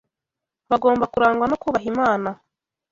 Bagomba kurangwa no kubaha Imana